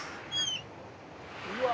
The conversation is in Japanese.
うわ。